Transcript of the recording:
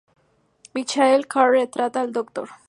Michael Carr retrata el Dr.